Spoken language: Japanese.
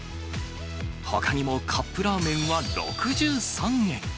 ほかにもカップラーメンは６３円。